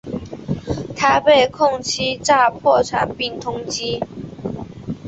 他被控欺诈破产并被通缉。